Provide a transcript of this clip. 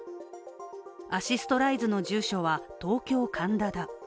アシストライズの住所は、東京・神田だ。